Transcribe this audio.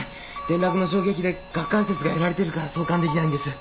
転落の衝撃で顎関節がやられてるから挿管できないんです。